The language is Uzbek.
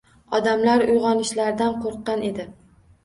Odamlar uyg‘onishlaridan qo‘rqqan edi.